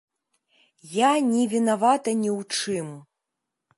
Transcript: Я не вінавата ні ў чым.